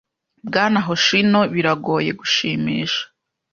Bwana Hoshino biragoye gushimisha.